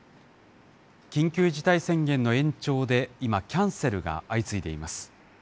緊急事態宣言の延長で今、キャンセルが相次いでいます。